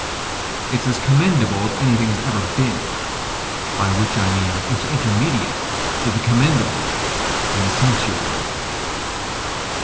It's as commendable as anything ever has been by which I mean it's intermediate to the commendable and the censurable.